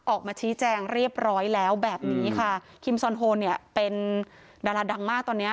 ออกมาชี้แจงเรียบร้อยแล้วแบบนี้ค่ะคิมซอนโฮนเนี่ยเป็นดาราดังมากตอนเนี้ย